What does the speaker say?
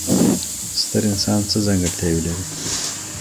ستر انسان څه ځانګړتیاوې لري؟